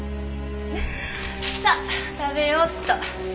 さあ食べようっと。